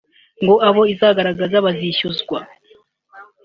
ngo abo izagaragaza bakazishyuzwa